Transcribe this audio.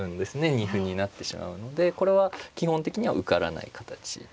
二歩になってしまうのでこれは基本的には受からない形となっています。